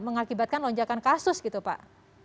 mengakibatkan lonjakan kasus gitu pak